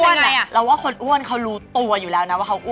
ไม่จริงนะคืออ้วนคือเราว่าคนอ้วนเขารู้ตัวอยู่แล้วนะค่ะ